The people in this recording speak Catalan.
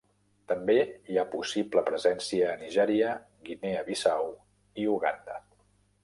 També hi ha possible presència a Nigèria, Guinea Bissau i Uganda.